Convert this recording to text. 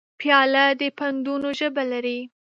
پیاله د پندونو ژبه لري.